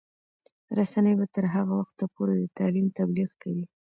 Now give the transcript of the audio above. رسنۍ به تر هغه وخته پورې د تعلیم تبلیغ کوي.